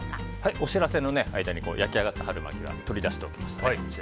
お知らせの間に焼き上がった春巻きは取り出しておきました。